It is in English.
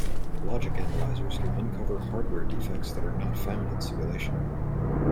Logic analyzers can uncover hardware defects that are not found in simulation.